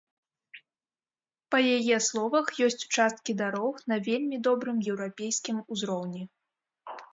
Па яе словах ёсць участкі дарог на вельмі добрым еўрапейскім узроўні.